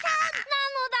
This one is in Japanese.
なのだ。